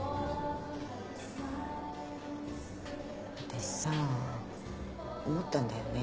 私さ思ったんだよね。